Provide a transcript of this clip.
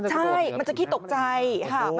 ใช่มันจะขี้ตกใจค่ะ